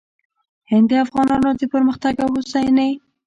هند د افغانانو د پرمختګ او هوساینې